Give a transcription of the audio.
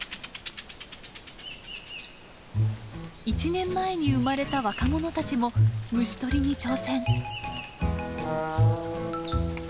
１年前に生まれた若者たちも虫捕りに挑戦。